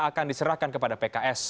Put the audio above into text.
akan diserahkan kepada pks